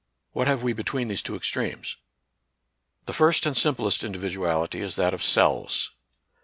What have we between these two extremes? The first and simplest individuality is that of cells.